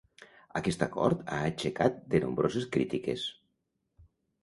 Aquest acord ha aixecat de nombroses crítiques.